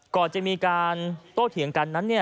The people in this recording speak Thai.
ก่อนจะมีการโต้เถียงกันนั้น